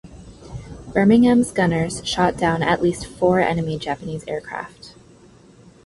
"Birmingham"s gunners shot down at least four enemy Japanese aircraft.